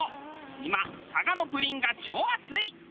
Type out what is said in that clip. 今佐賀のプリンが超熱い。